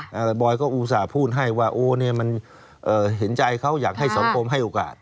แต่บอยก็อุตส่าห์พูดให้ว่าโอ้เนี่ยมันเห็นใจเขาอยากให้สังคมให้โอกาส